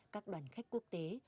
các đoàn khách quốc tế